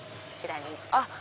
あっ！